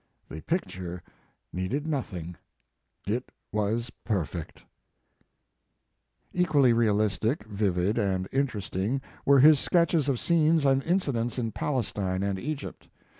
The picture needed nothing. It was perfect." His Life and Work. Equally realistic, vivid and interesting were his sketches of scenes and incidents in Palestine and Egypt.